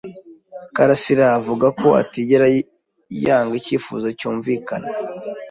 Karasiraavuga ko atigera yanga icyifuzo cyumvikana.